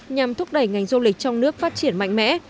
nhằm thúc đẩy ngành du lịch trong nước phát triển mạnh mẽ